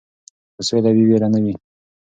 که سوله وي ویره نه وي.